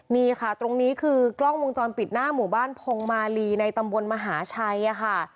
นี่ค่ะตรงนี้คือกล้องวงจรปิดหน้าหมู่บ้านพงมาลีในตำบลมหาชัยค่ะ